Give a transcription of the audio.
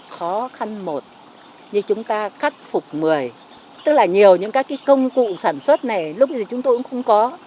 khó khăn một như chúng ta khắc phục một mươi tức là nhiều những các công cụ sản xuất này lúc gì chúng tôi cũng không có